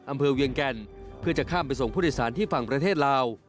เวียงแก่นเพื่อจะข้ามไปส่งผู้โดยสารที่ฝั่งประเทศลาว